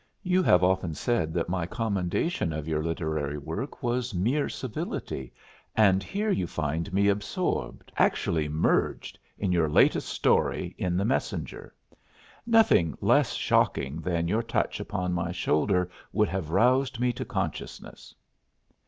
You have often said that my commendation of your literary work was mere civility, and here you find me absorbed actually merged in your latest story in the Messenger. Nothing less shocking than your touch upon my shoulder would have roused me to consciousness."